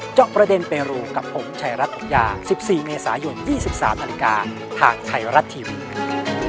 เจ้าประเด็นเบรูกับผมชายรัทยา๑๔เมษายน๒๓ทางชายรัททีวี